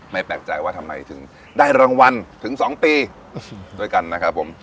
แปลกใจว่าทำไมถึงได้รางวัลถึง๒ปีด้วยกันนะครับผม